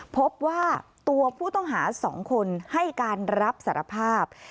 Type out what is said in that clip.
พบว่าตัวผู้ต้องหา๒คนให้การรับสารภาพ